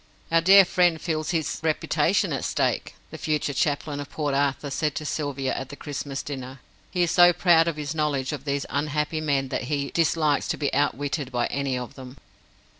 "Our dear friend feels his reputation at stake," the future chaplain of Port Arthur said to Sylvia at the Christmas dinner. "He is so proud of his knowledge of these unhappy men that he dislikes to be outwitted by any of them."